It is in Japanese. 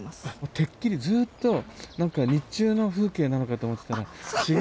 てっきりずっと何か日中の風景なのかと思ってたら違うんだ。